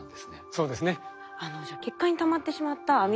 そうですね。